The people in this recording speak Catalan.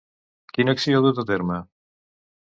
Quina acció ha dut a terme?